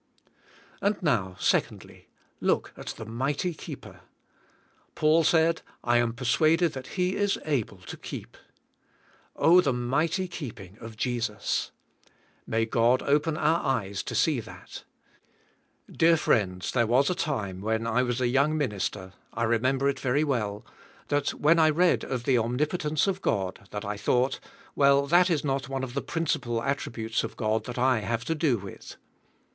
And now, secondly: Look at the mighty keeper. Paul said, "I am persuaded that He is able to keep." Oh, the mighty keeping of Jesus! May God open our eyer to see that. Dear friends, there was a time, when I was a young minister — I remember it very well — that when I read of the omnipotence of God that I thought, well that is not one of the prin cipal attributes of God that I have to do with.